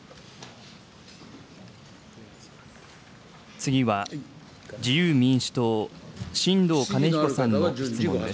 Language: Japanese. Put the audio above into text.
次は自由民主党、進藤金日子さんの質問です。